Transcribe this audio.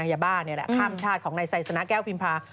อย่าบ้าเนี่ยแหละข้ามชาติของในศัยสนาแก้วพิมพา